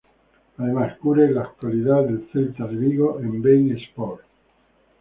Además, cubre la actualidad del Celta de Vigo en Bein Sports.